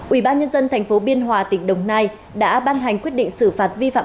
ủy ban nhân dân tp biên hòa tỉnh đồng nai đã ban hành quyết định xử phạt vi phạm